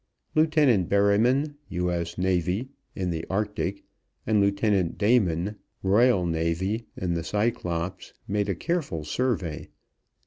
Lieutenant Berryman, U.S.N., in the Arctic, and Lieutenant Dayman, R.N., in the Cyclops, made a careful survey.